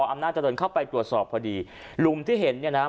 อำนาจเจริญเข้าไปตรวจสอบพอดีหลุมที่เห็นเนี่ยนะ